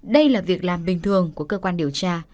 đây là việc làm bình thường của cơ quan điều tra